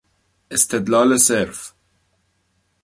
استدلال صرف